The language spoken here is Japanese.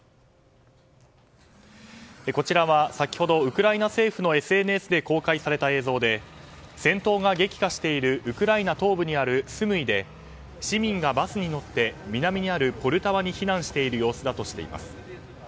こちらは先ほどウクライナ政府のＳＮＳで公開された映像で戦闘が激化しているウクライナ東部にあるスムイで市民がバスに乗って南にあるポルタワに避難している様子だとしています。